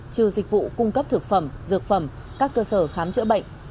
trừ dịch vụ cung cấp thực phẩm dược phẩm các cơ sở khám chữa bệnh